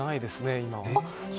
今は。